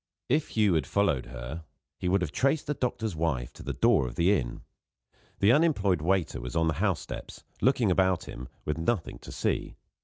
If Hugh had followed her he would have traced the doctor's wife to the door of the inn. The unemployed waiter was on the house steps, looking about him with nothing to see.